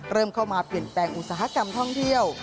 เริ่มเข้ามาเปลี่ยนแปลงอุตสาหกรรมท่องเที่ยว